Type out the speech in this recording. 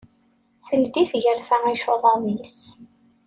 Teldi tgarfa icuḍaḍ-is.